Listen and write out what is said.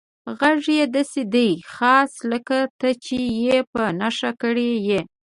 غږ یې داسې دی، خاص لکه ته چې یې په نښه کړی یې.